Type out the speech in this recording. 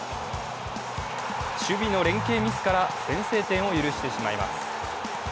守備の連係ミスから先制点を許してしまいます。